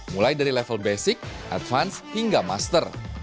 mulai dari level basic advance hingga master